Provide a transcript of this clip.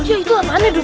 iya itu apaan ya do